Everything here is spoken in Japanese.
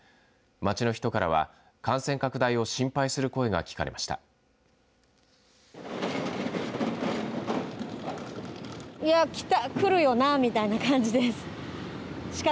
街の人からは感染拡大を心配する声が聞かれました。